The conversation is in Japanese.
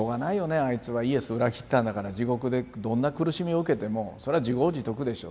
あいつはイエスを裏切ったんだから地獄でどんな苦しみを受けてもそれは自業自得でしょ